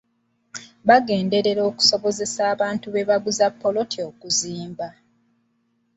Bagenderera okusobozesa abantu be baaguza poloti okuzimba.